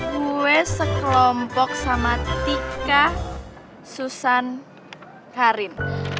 gue sekelompok sama tika susan karin